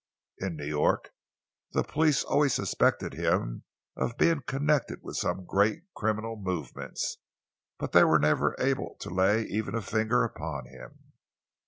In New York the police always suspected him of being connected with some great criminal movements, but they were never able to lay even a finger upon him.